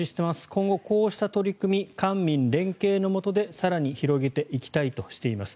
今後、こうした取り組み官民連携のもとで、更に広げていきたいとしています。